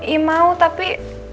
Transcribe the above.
iya mau tapi